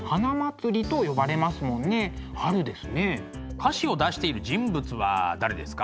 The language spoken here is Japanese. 歌詞を出している人物は誰ですか？